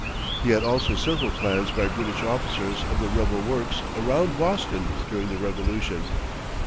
He had also several plans by British officers of "the rebel works" around Boston during the revolution.